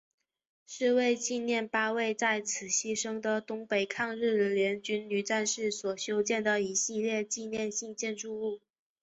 是为纪念八位在此牺牲的东北抗日联军女战士所修建的一系列纪念性建筑物。